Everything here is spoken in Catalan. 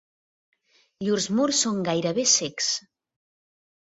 Llurs murs són gairebé cecs.